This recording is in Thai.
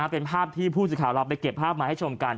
เป็นภาพที่ผู้สื่อข่าวเราไปเก็บภาพมาให้ชมกัน